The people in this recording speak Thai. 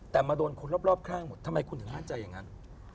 แต่มาโดนคนรอบข้างหมดทำไมคุณถึงห้ามใจอย่างนั้น